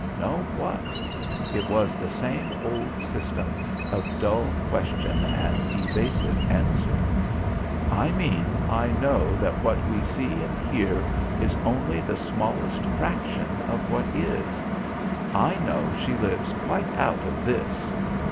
"Know what?" It was the same old system of dull question and evasive answer. "I mean I know that what we see and hear is only the smallest fraction of what is. I know she lives quite out of this.